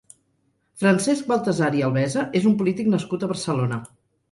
Francesc Baltasar i Albesa és un polític nascut a Barcelona.